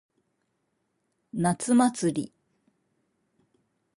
夏祭り。